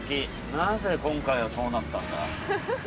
なぜ今回はそうなったんだ？